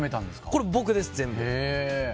これ、僕です、全部。